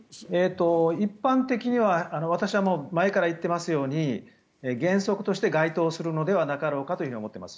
一般的には私は前から言ってますように原則として該当するのではなかろうかと思っています。